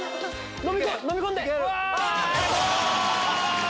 飲み込んで。